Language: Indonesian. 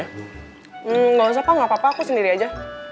enggak usah pak enggak apa apa aku sendiri aja